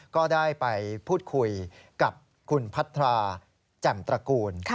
ก็ได้ไปพูดคุยกับคุณพัทราแจ่มตระกูล